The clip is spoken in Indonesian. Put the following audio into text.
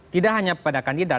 tidak hanya pada kandidat